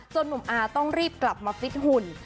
หนุ่มอาต้องรีบกลับมาฟิตหุ่น